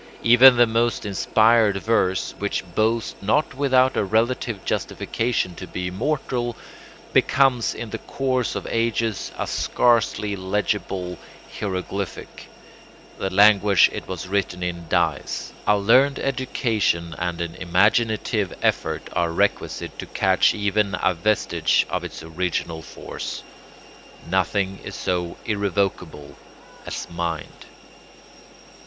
Even the most inspired verse, which boasts not without a relative justification to be immortal, becomes in the course of ages a scarcely legible hieroglyphic; the language it was written in dies, a learned education and an imaginative effort are requisite to catch even a vestige of its original force. Nothing is so irrevocable as mind.